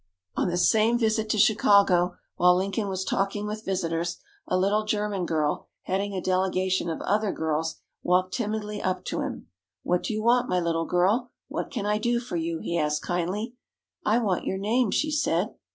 _ On this same visit to Chicago, while Lincoln was talking with visitors, a little German girl, heading a delegation of other girls, walked timidly up to him. "What do you want, my little girl? What can I do for you?" he asked kindly. "I want your name," she said.